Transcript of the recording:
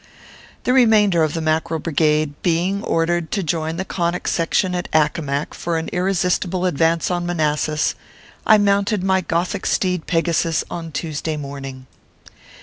The remainder of the Mackerel Brigade being or dered to join the Conic Section at Accomac for an irresistible advance on Manassas, I mounted my gothic steed Pegasus on Tuesday morning.